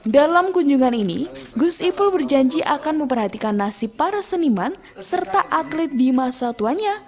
dalam kunjungan ini gus ipul berjanji akan memperhatikan nasib para seniman serta atlet di masa tuanya